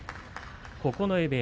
九重部屋。